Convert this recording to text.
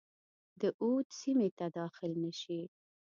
د اود سیمي ته داخل نه شي.